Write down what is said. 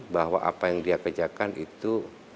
bahwa apa yang dia kerjakan itu